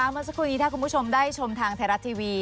เมื่อสักครู่นี้ถ้าคุณผู้ชมได้ชมทางไทยรัฐทีวี